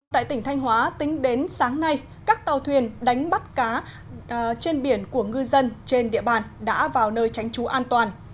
tại tỉnh thanh hóa tính đến sáng nay các tàu thuyền đánh bắt cá trên biển của ngư dân trên địa bàn đã vào nơi tránh trú an toàn